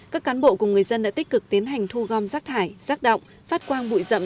các cán bộ cùng người dân đã tích cực tiến hành thu gom rác thải rác động phát quang bụi rậm